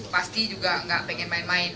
pasti juga nggak pengen main main